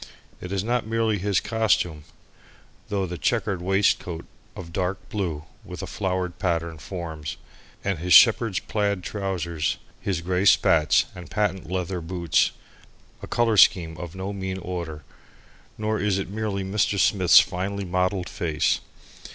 It is not merely his costume, though the chequered waistcoat of dark blue with a flowered pattern forms, with his shepherd's plaid trousers, his grey spats and patent leather boots, a colour scheme of no mean order. Nor is it merely Mr. Smith's finely mottled face.